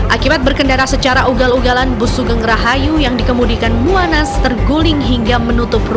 akibat berkendara secara ugal ugalan busugeng rahayu yang dikemudikan muanas terguling hingga menutup ruas jalan